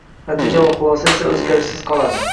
Natija va xulosa esa o’zgarishsiz qoladi